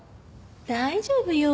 大丈夫よ。